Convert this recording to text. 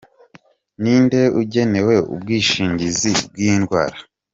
Ni nde ugenewe ubwishingizi bw’indwara ?.